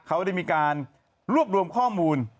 เขาได้มีการรวบรวมข้อมูล